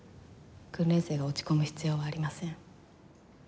訓練生が落ち込む必要はありません。